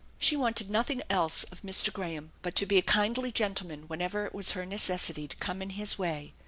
She wanted nothing else of Mr. Graham but to be a kindly gentleman whenever it was her necessity to come in his way.